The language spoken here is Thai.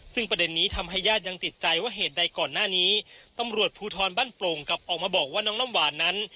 ซึ่งประเด็นนี้ทำให้ญาติยังติดใจว่าเหตุใดก่อนหน้านี้ตำรวจภูทรบ้านโปร่งกลับออกมาบอกว่าน้องน้ำหวานนั้น